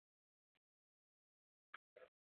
保大十四年十二月七日。